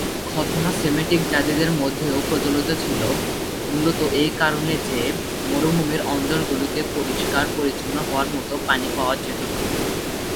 খৎনা Semitic জাতিদের মধ্যেও প্রচলিত ছিল, মুলত এই কারণে যে, মরুভূমির অঞ্চলগুলিতে পরিষ্কার-পরিচ্ছন্ন হওয়ার মত পানি পাওয়া জেট না।